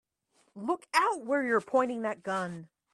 Look out where you're pointing that gun!